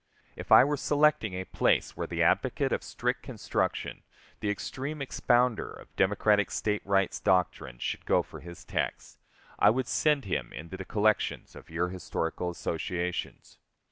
If I were selecting a place where the advocate of strict construction, the extreme expounder of democratic State rights doctrine should go for his texts, I would send him into the collections of your historical associations.